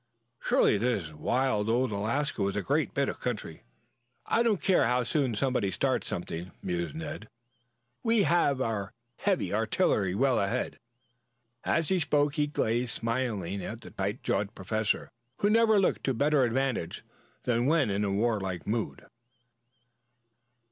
Surely this wild old Alaska was a great bit of country! "I don't care how soon somebody starts something," mused Ned. "We have our heavy artillery well on ahead." As he spoke he gazed smilingly at the tight jawed Professor, who never looked to better advantage than when in warlike mood.